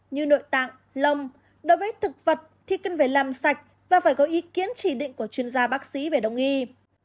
như nội tạng lông đối với thực vật thì cần phải làm sạch và phải có ý kiến chỉ định của chuyên gia bác sĩ về đồng nghi